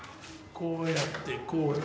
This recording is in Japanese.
こうやってこう。